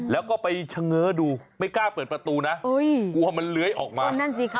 แล้วก็ไปเฉง้อดูไม่กล้าเปิดประตูนะกลัวมันเลื้อยออกมานั่นสิค่ะ